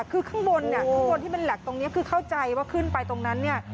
คือข้างบนเนี่ยข้างบนที่มันแหลกตรงนี้คือเข้าใจว่าขึ้นไปตรงนั้นเนี่ย